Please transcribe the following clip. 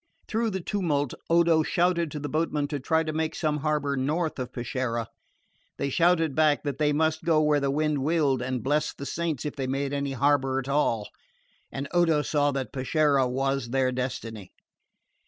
Through the tumult Odo shouted to the boatmen to try to make some harbour north of Peschiera. They shouted back that they must go where the wind willed and bless the saints if they made any harbour at all; and Odo saw that Peschiera was their destiny.